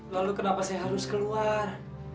lalu kenapa saya harus keluar